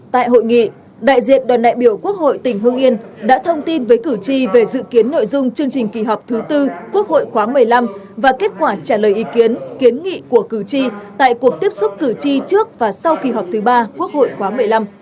tại hội nghị đại diện đoàn đại biểu quốc hội tỉnh hương yên đã thông tin với cử tri về dự kiến nội dung chương trình kỳ họp thứ tư quốc hội khóa một mươi năm và kết quả trả lời ý kiến kiến nghị của cử tri tại cuộc tiếp xúc cử tri trước và sau kỳ họp thứ ba quốc hội khoáng một mươi năm